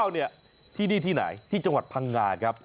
ที่นี่ที่ไหนที่จังหวัดพังงาครับ